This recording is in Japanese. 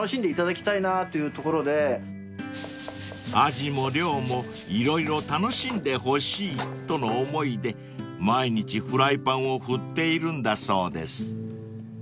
［味も量も色々楽しんでほしいとの思いで毎日フライパンを振っているんだそうです］